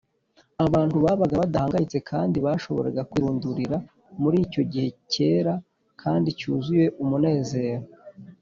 abantu babaga badahangayitse kandi bashoboraga kwirundurira muri icyo gihe cyera kandi cyuzuye umunezero.